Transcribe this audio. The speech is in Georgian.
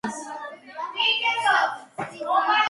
მათ შეუძლიათ დიდი ხნის განმავლობაში შეიკავონ გამრავლების ინსტინქტი.